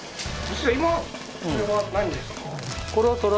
これは。